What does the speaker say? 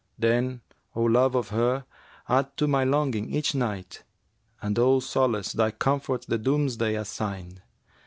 Then, O Love of her, add to my longing each night, * And, O Solace, thy comforts for Doomsday assign!